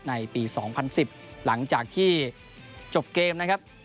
ในปีสองพันสิบหลังจากที่จบเกมนะครับ